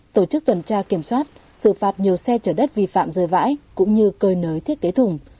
tổ chức tuần tra kiểm soát xử phạt nhiều xe chở đất vi phạm rơi vãi cũng như cơi nới thiết kế thùng